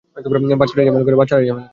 বাচ্চারাই ঝামেলা করে।